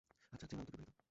আচ্ছা, জিম, আমি তো বিবাহিত।